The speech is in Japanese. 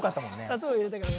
「砂糖入れたから」